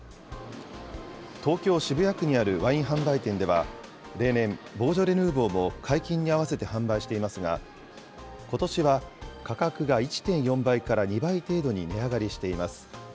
東京・渋谷区にあるワイン販売店では、例年、ボージョレ・ヌーボーも解禁に合わせて販売していますが、ことしは価格が１．４倍から２倍程度に値上がりしています。